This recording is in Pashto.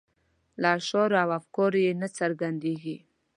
له اشعارو او افکارو یې نه څرګندیږي.